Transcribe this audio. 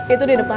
itu di depan